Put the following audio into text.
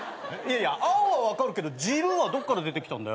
「青」は分かるけど「汁」はどっから出てきたんだよ。